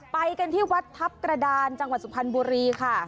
ไปกันที่วัดทัพกระดานจังหวัดสุพรรณบุรีค่ะ